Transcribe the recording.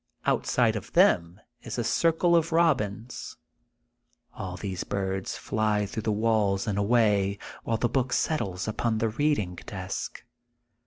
Outside of them is a circle of robins. All these birds fly through the walls and away, while the book settles upon the reading desk.